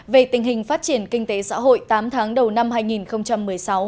về tình hình phát triển kinh tế xã hội tám tháng đầu năm hai nghìn một mươi sáu